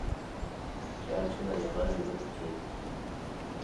Και άρχισε να διαβάζει εδώ κι εκεί